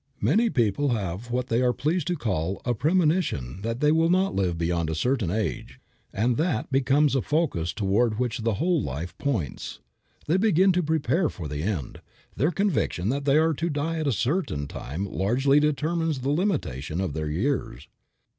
Many people have what they are pleased to call a premonition that they will not live beyond a certain age, and that becomes a focus toward which the whole life points. They begin to prepare for the end. Their conviction that they are to die at a certain time largely determines the limitation of their years.